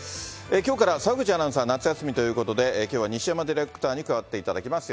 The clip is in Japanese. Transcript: きょうから澤口アナウンサー、夏休みということで、きょうは西山ディレクターに加わっていただきます。